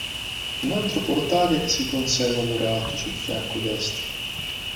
Un altro portale si conserva murato sul fianco destro.